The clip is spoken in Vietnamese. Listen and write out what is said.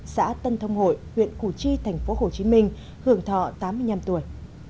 xã tân thông hội huyện củ chi tp hcm hưởng thọ tám mươi năm tuổi